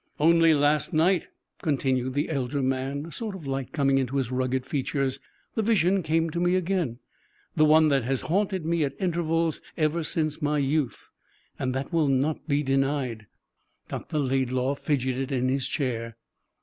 "Only last night," continued the elder man, a sort of light coming into his rugged features, "the vision came to me again the one that has haunted me at intervals ever since my youth, and that will not be denied." Dr. Laidlaw fidgeted in his chair.